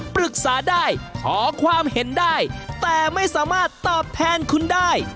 ปรึกษาได้ขอความเห็นได้แต่ไม่สามารถตอบแทนคุณได้